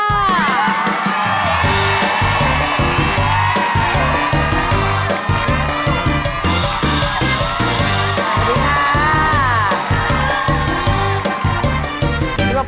สวัสดีค่ะ